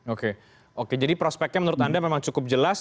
oke oke jadi prospeknya menurut anda memang cukup jelas